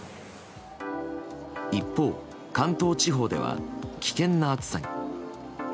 一方、関東地方では危険な暑さに。